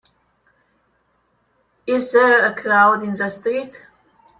Is there a crowd in the street?